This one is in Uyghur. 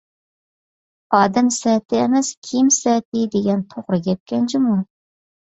«ئادەم سەتى ئەمەس، كىيىم سەتى» دېگەن توغرا گەپكەن جۇمۇ!